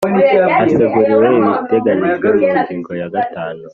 Haseguriwe ibiteganyijwe mu ngingo ya gatanu